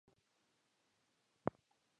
خپل وخت په بې ځایه خبرو مه ضایع کوئ.